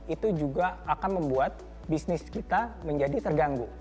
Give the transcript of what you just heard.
itu juga akan membuat bisnis kita menjadi terganggu